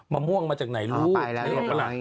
มะม่วงมาจากไหนรู้อ่าไปแล้วใช่